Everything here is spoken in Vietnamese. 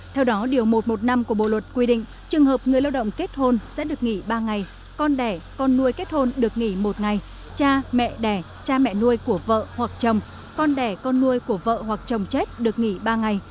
theo đó điều một trăm một mươi năm của bộ luật quy định trường hợp người lao động kết hôn sẽ được nghỉ ba ngày con đẻ con nuôi kết hôn được nghỉ một ngày cha mẹ đẻ cha mẹ nuôi của vợ hoặc chồng con đẻ con nuôi của vợ hoặc chồng chết được nghỉ ba ngày